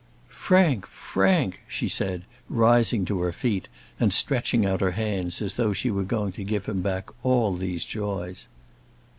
"Frank, Frank!" she said, rising to her feet, and stretching out her hands as though she were going to give him back all these joys.